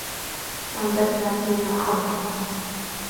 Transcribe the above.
فأنبتنا فيها حبا